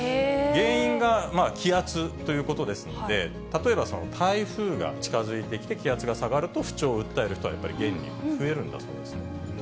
原因が気圧ということですので、例えば、台風が近づいてきて気圧が下がると、不調を訴える人が現に増えるんだそうですね。